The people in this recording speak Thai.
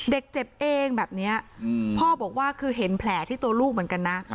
เด็กเจ็บเองแบบนี้พ่อบอกว่าคือเห็นแผลที่ตัวลูกเหมือนกันนะ